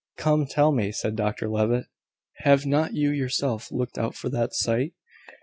"Come, tell me," said Dr Levitt, "have not you yourself looked out for that sight?"